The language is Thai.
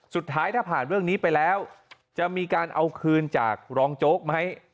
สุดท้ายถ้าผ่านเรื่องนี้ไปแล้วจะมีการเอาคืนจากรองโจ๊กไหม